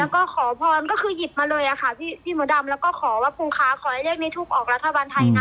ก็ขอพรก็คือหยิบมาเลยค่ะพี่มดดำแล้วก็ขอว่าปูคะขอให้เรียกในทูปออกรัฐบาลไทยนะ